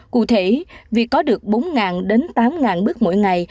cụ thể việc có được bốn đến tám bước mỗi ngày